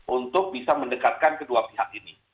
untuk bisa mendekatkan kedua pihak ini